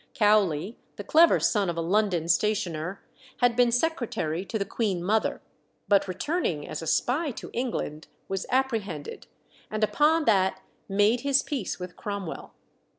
Cowley, the clever son of a London stationer, had been secretary to the queen mother, but returning as a spy to England, was apprehended, and upon that made his peace with Cromwell.